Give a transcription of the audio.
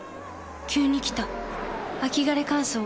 急に来た秋枯れ乾燥。